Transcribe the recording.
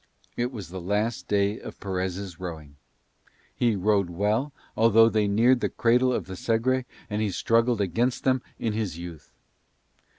It was the last day of Perez' rowing. He rowed well although they neared the cradle of the Segre and he struggled against them in his youth.